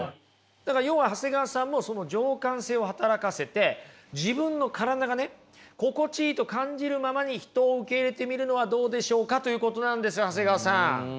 だから要は長谷川さんもその情感性を働かせて自分の体がね心地いいと感じるままに人を受け入れてみるのはどうでしょうかということなんです長谷川さん。